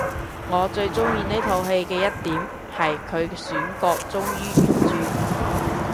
我最鍾意呢套戲嘅一點係佢選角忠於原著